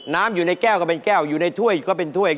น้ำอยู่ในแก้วก็เป็นแก้วอยู่ในถ้วยก็เป็นถ้วย